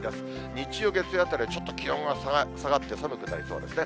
日曜、月曜あたりはちょっと気温が下がって寒くなりそうですね。